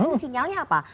ini sinyalnya apa